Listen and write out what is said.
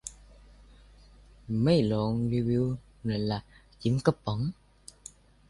ไม่ลองรีวิวหน่อยล่ะ จิ๋มกระป๋อง